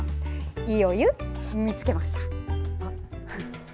「＃いいお湯見つけました」。